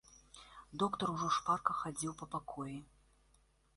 Доктар ужо шпарка хадзіў па пакоі.